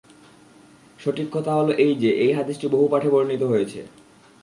সঠিক কথা হলো এই যে, এ হাদীসটি বহু পাঠে বর্ণিত হয়েছে।